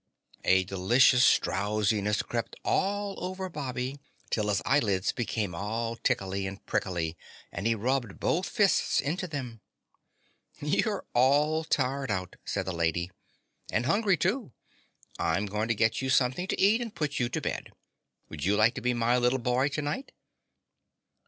A delicious drowsiness crept all over Bobby till his eyelids went all tickly and prickly and he rubbed both fists into them. "You're all tired out," said the lady, "and hungry, too. I'm going to get you something to eat and put you to bed. Would you like to be my little boy tonight?"